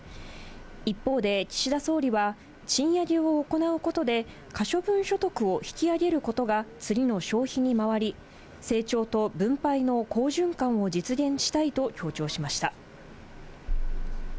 一方で、岸田総理は賃上げを行うことで、可処分所得を引き上げることが次の消費に回り、成長と分配の好循環を実現したいと強調しました。